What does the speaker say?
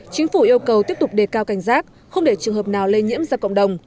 chính phủ yêu cầu tiếp tục đề cao cảnh giác không để trường hợp nào lây nhiễm ra cộng đồng